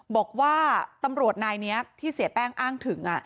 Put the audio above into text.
บอกว่าตำรวจนายนี้ที่เสียแป้งอ้างถึง